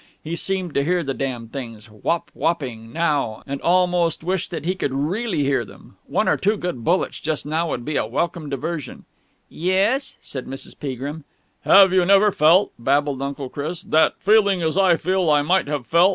He seemed to hear the damned things whop whopping now ... and almost wished that he could really hear them. One or two good bullets just now would be a welcome diversion. "Yes?" said Mrs. Peagrim. "Have you never felt," babbled Uncle Chris, "that, feeling as I feel, I might have felt